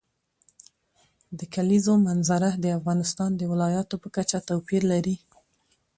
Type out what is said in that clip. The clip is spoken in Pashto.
د کلیزو منظره د افغانستان د ولایاتو په کچه توپیر لري.